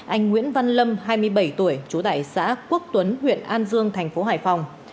anh nguyễn văn lâm hai mươi bảy tuổi trú tại xã quốc tuấn huyện an dương thành phố hải phòng